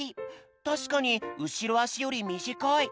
たしかにうしろあしよりみじかい。